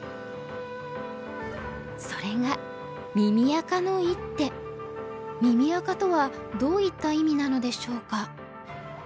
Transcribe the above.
それが「耳赤」とはどういった意味なのでしょうか。